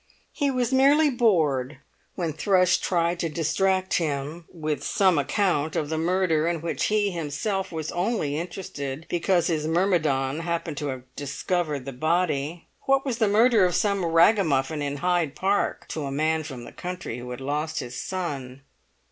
He was merely bored when Thrush tried to distract him with some account of the murder in which he himself was only interested because his myrmidon happened to have discovered the body. What was the murder of some ragamuffin in Hyde Park to a man from the country who had lost his son?